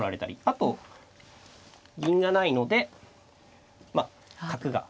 あと銀がないので角が。